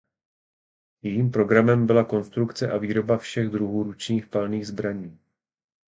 Jejím programem byla konstrukce a výroba všech druhů ručních palných zbraní.